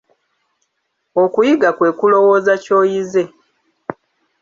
Okuyiga kwe kulowooza ky'oyize.